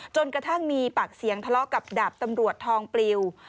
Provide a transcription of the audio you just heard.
จนกระทั่งมีปากเสียงทะเลาะกับดาบตำรวจทองปลิว